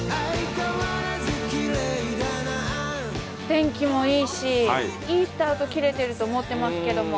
天気もいいしいいスタート切れてると思ってますけども。